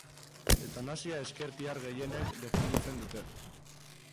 Eutanasia ezkertiar gehienek defenditzen dute.